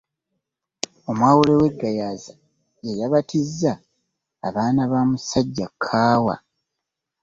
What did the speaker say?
Omwawule we Gayaaza yeyabatizza abaana ba musajja kaawa.